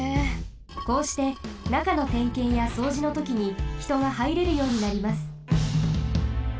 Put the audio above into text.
こうしてなかのてんけんやそうじのときにひとがはいれるようになります。